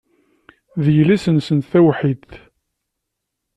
D yelli-tsen tawḥidt.